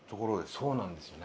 そうなんですよね。